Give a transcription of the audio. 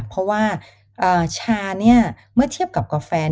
เพราะว่าชาเนี่ยเมื่อเทียบกับกาแฟ